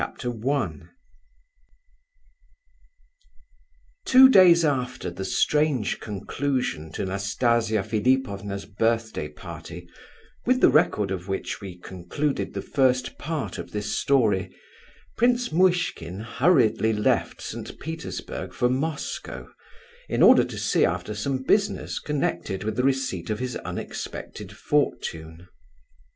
PART II I. Two days after the strange conclusion to Nastasia Philipovna's birthday party, with the record of which we concluded the first part of this story, Prince Muishkin hurriedly left St. Petersburg for Moscow, in order to see after some business connected with the receipt of his unexpected fortune.